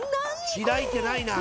開いてないな。